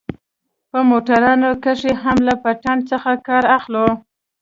په موټرانو کښې هم له پټن څخه کار اخلو.